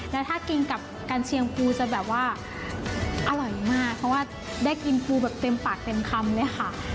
แล้วถ้ากินกับกัญเชียงปูจะแบบว่าอร่อยมากเพราะว่าได้กินปูแบบเต็มปากเต็มคำเลยค่ะ